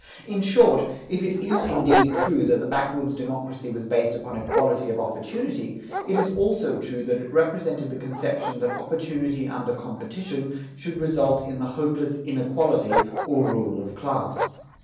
In short, if it is indeed true that the backwoods democracy was based upon equality of opportunity, it is also true that it resented the conception that opportunity under competition should result in the hopeless inequality, or rule of class.